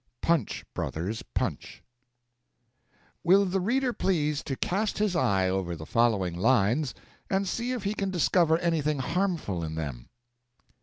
PUNCH, BROTHERS, PUNCH Will the reader please to cast his eye over the following lines, and see if he can discover anything harmful in them?